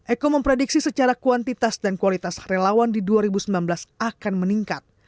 eko memprediksi secara kuantitas dan kualitas relawan di dua ribu sembilan belas akan meningkat